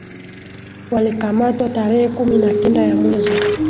walikamatwa tarehe kumi na kenda ya mwezi